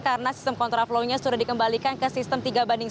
karena sistem kontraflownya sudah dikembalikan ke sistem tiga banding satu